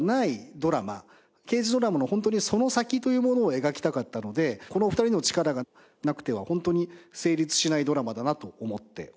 ドラマ刑事ドラマのその先というものを描きたかったのでこのお二人の力がなくてはホントに成立しないドラマだなと思っております。